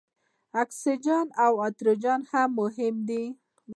اکسیجن او نایتروجن هم مهم دي.